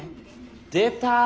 出た！